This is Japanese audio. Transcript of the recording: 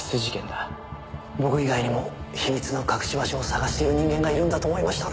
僕以外にも秘密の隠し場所を探している人間がいるんだと思いましたね。